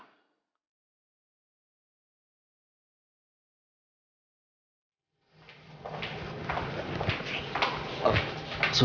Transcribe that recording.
aku harus ambil bayi itu sekarang